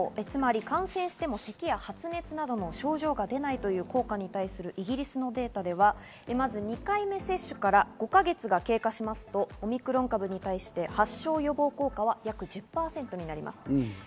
つまり感染しても咳や発熱などの症状が出ないという効果に対するイギリスのデータでは、２回目接種から５か月が経過しますと、オミクロン株に対して発症予防効果は約１０％になります。